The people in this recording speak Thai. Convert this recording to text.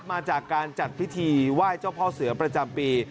มาจากการจัดพิธีไหว้เจ้าพ่อเสือประจำปี